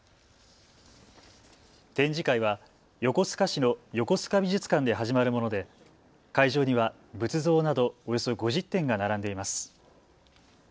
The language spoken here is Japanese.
展示会は横須賀市の横須賀美術館で始まるもので会場には仏像などおよそ５０点が並んでいます。